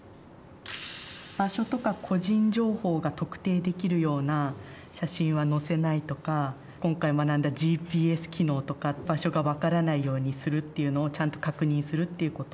場所とか個人情報が特定できるような写真はのせないとか今回学んだＧＰＳ機能とか場所が分からないようにするっていうのをちゃんと確認するっていうこと。